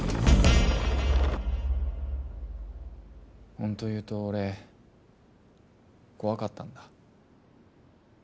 ほんと言うと俺怖かったんだ。